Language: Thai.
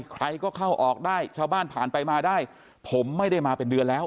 ใครก็เข้าออกได้ชาวบ้านผ่านไปมาได้ผมไม่ได้มาเป็นเดือนแล้ว